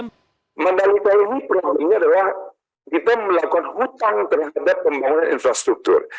menarik bagi ini problemnya adalah kita melakukan utang terhadap pembangunan infrastruktur